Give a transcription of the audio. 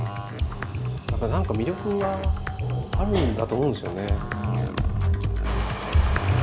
何か魅力はあるんだと思うんですよね。